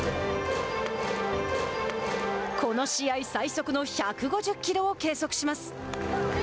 この試合最速の１５０キロを計測します。